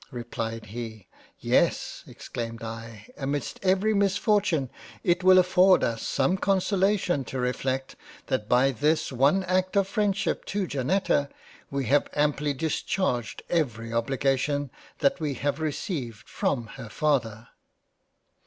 (replied he) " Yes, (exclaimed I) amidst every misfortune, it will afford us some consolation to reflect that by this one act of Freind ship to Janetta, we have amply discharged every obligation that we have received from her father."